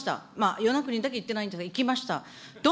与那国だけ行ってないんですが、行きました。